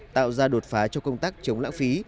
tạo ra đột phá cho công tác chống lãng phí